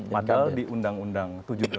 padahal di undang undang tujuh dua ribu tujuh belas